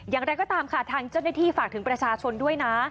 อย่างไรก็ตามค่ะทางเจ้าหน้าที่ฝากถึงประชาชนด้วยนะ